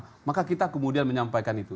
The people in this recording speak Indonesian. apakah kita kemudian menyampaikan itu